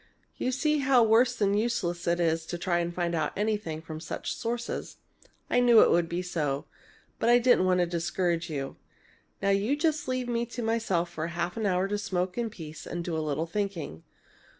"You see how worse than useless it is to try and find out anything from such sources! I knew it would be so, but I didn't want to discourage you. Now you just leave me to myself for half an hour to smoke in peace and do a little thinking.